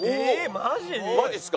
マジですか？